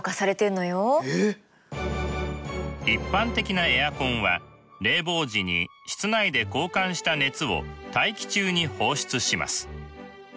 一般的なエアコンは冷房時に室内で交換した熱を大気中に放出します。